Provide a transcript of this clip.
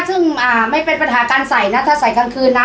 ซึ่งไม่เป็นปัญหาการใส่นะถ้าใส่กลางคืนนะ